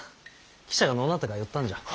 汽車がのうなったから寄ったんじゃ。